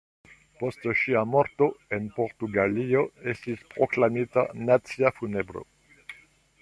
Post ŝia morto en Portugalio estis proklamita nacia funebro.